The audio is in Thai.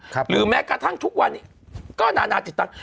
หรือแม้กระทั่งทุกวันนี้ก็นานาติดตั้ง